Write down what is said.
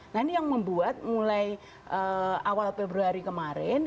nah ini yang membuat mulai awal februari kemarin